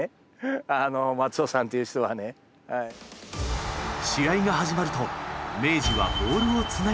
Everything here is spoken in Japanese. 試合が始まると明治はボールをつなぎながら前へ。